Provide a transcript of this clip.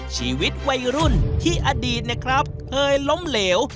ชีวิตวัยรุ่นที่อดีตเคยล้มเหลว